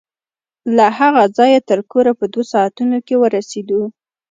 له هغه ځايه تر کوره په دوو ساعتو کښې ورسېدو.